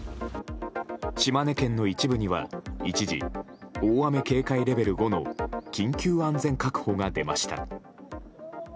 島根県の一部には、一時大雨警戒レベル５の緊急安全確保が出ました。